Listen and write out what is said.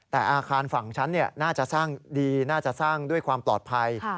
แต่อาคารฝั่งฉันน่าจะสร้างดีน่าจะสร้างด้วยความปลอดภัย